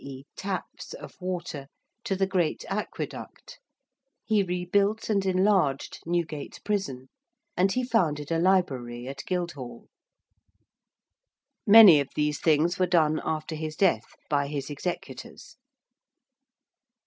e. taps of water, to the great aqueduct: he rebuilt and enlarged Newgate Prison; and he founded a library at Guildhall. Many of these things were done after his death by his executors.